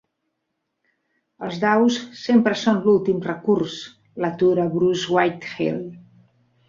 Els daus sempre són l'últim recurs —l'atura Bruce Whitehill—.